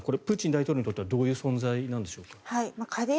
プーチン大統領にとってはどういう存在なんでしょうか。